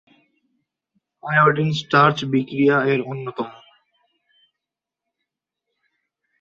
Iodine-starch বিক্রিয়া এর অন্যতম।